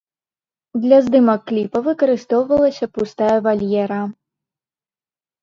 Для здымак кліпа выкарыстоўвалася пустая вальера.